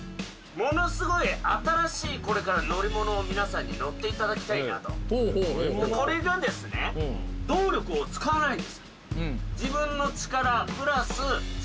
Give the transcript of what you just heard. ものすごい新しいこれから乗り物を皆さんに乗っていただきたいなとほうほうこれがですね何とちょっとこいつ